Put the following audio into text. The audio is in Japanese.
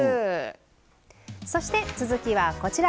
そして続きはこちら。